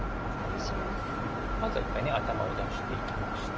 まずは一回頭を出していきまして。